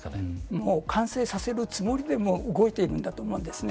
もう完成させるつもりで動いているんだと思うんです。